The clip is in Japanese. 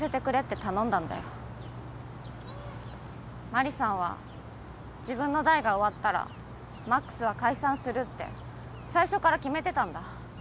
マリさんは自分の代が終わったら魔苦須は解散するって最初から決めてたんだ。